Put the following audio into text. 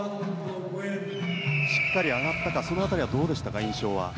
しっかり上がったかその辺りはどうでしたか印象は。